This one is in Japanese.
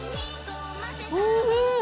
おいしい。